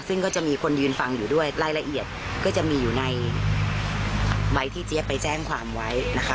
ซึ่งก็จะมีคนยืนฟังอยู่ด้วยรายละเอียดก็จะมีอยู่ในใบที่เจี๊ยบไปแจ้งความไว้นะคะ